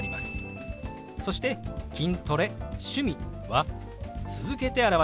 そして「筋トレ趣味」は続けて表しますよ。